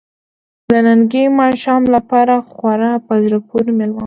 د ننني ماښام لپاره خورا په زړه پورې مېله وه.